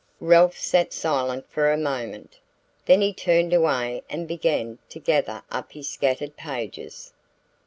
Ralph sat silent for a moment then he turned away and began to gather up his scattered pages.